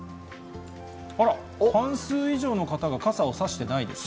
あら、半数以上の方が傘を差してないですね。